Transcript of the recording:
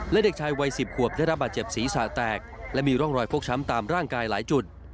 และเด็กชายวัย๑๐ขวบได้รับบาดเจ็บศีรษะแตกและมีร่องรอยฟกช้ำตามร่างกายหลายจุด